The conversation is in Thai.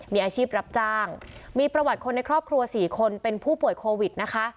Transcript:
มีอาชีพรับจ้างมีประวัติคนในครอบครัว๔คนเป็นผู้ป่วยโควิดนะคะ